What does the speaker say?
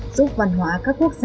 giúp văn hóa các quốc gia